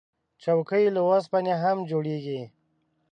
چوکۍ له اوسپنې هم جوړیږي.